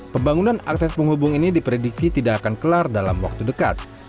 pembangunan akses penghubung ini diprediksi tidak akan kelar dalam waktu dekat